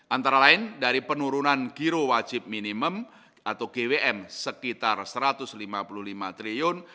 antara lain dari penurunan giro wajib minimum atau gwm sekitar rp satu ratus lima puluh lima triliun